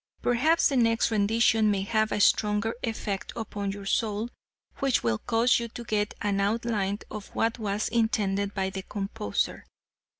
Perhaps the next rendition may have a stronger effect upon your soul which will cause you to get an outline of what was intended by the composer.